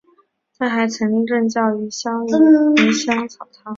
他还曾任教于芸香草堂。